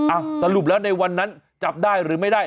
สรุปแล้วในวันนั้นจับได้หรือไม่ได้